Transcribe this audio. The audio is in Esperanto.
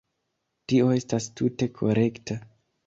Tio estas tute korekta.